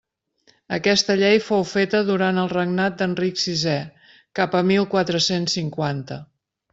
Aquesta llei fou feta durant el regnat d'Enric sisè, cap a mil quatre-cents cinquanta.